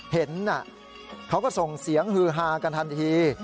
เห็นเขาก็ส่งเสียงฮือฮากันทันที